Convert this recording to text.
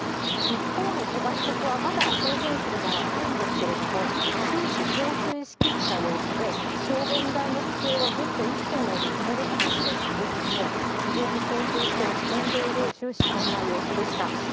一方の鳥羽被告はまだ証言する場はないんですけれども、終始、憔悴しきった様子で、証言台の机をずっと一点を見つめる形で、非常に憔悴して落ち込んでいる、終始、そんな様子でした。